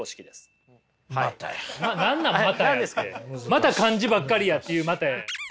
また漢字ばっかりやっていう「またや」。